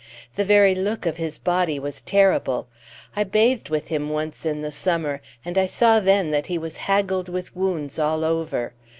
The very look of his body was terrible. I bathed with him once in the summer, and I saw then that he was haggled with wounds all over.